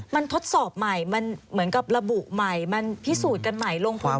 มันทดสอบใหม่มันเหมือนกับระบุใหม่มันพิสูจน์กันใหม่ลงทุน